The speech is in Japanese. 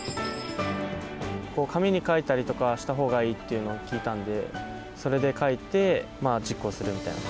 紙に書いたりとかしたほうがいいっていうのを聞いたんで、それで書いて、実行するみたいな。